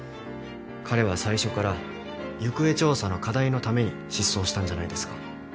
彼は最初から行方調査の課題のために失踪したんじゃないですか？